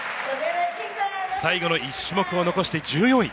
最後の１種目を残して１４位。